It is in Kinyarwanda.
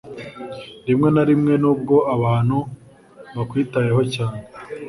Rimwe na rimwe, nubwo abantu bakwitayeho cyane,